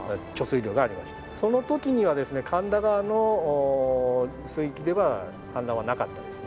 その時にはですね神田川の水域では氾濫はなかったですね。